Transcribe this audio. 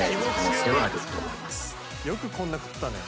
よくこんな食ったね。